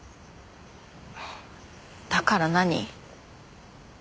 だから何？